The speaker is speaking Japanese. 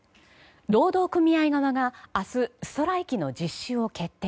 労働組合側が明日ストライキの実施を決定。